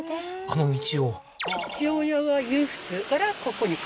あの道を？